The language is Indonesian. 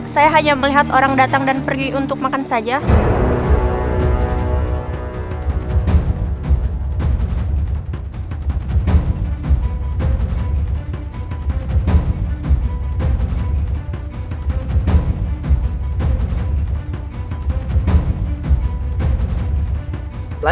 saya hanya melihat orang datang dan pergi untuk makan saja